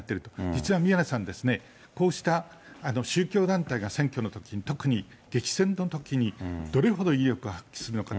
実は宮根さん、こうした宗教団体が選挙に、特に激戦のときにどれほど威力を発揮するのか。